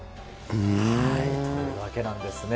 というわけなんですね。